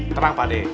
tenang pak deh